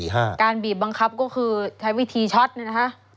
การบีบบังคับก็คือใช้วิธีช็อตเนี่ยนะฮะ